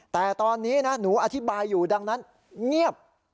แต่ตอนนี้นะหนูอธิบายอยู่ดังนั้นเงียบ